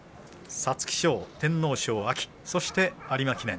皐月賞、天皇賞そして、有馬記念。